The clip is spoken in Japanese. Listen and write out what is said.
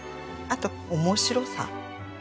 あと面白さ。